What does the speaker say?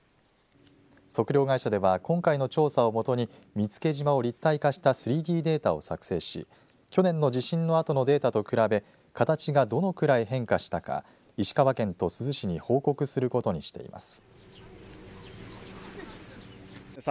測量会社では今回の調査をもとに見附島を立体化した３Ｄデータを作成し去年の地震のあとのデータと比べ形がどのくらい変化したか石川県と珠洲市に報告することにしています。